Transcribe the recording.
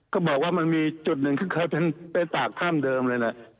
ก็บอกว่ามีจุดหนึ่งเป็นจากถ้ำเดิมเลยน่ะ